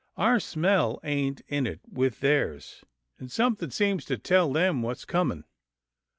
Our smell ain't in it with theirs, and something seems to tell them what's coming."